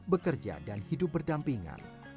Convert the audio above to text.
bekerja dan hidup berdampingan